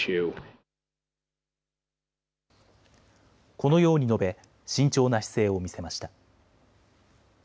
このように述べ慎重な姿勢を見せました。